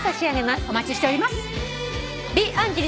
お待ちしております。